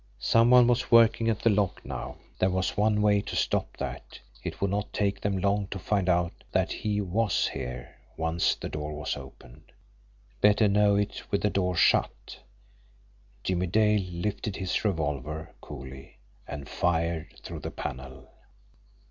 Some one was working at the lock now. There was one way to stop that. It would not take them long to find out that he WAS there once the door was opened! Better know it with the door SHUT! Jimmie Dale lifted his revolver coolly and fired through the panel.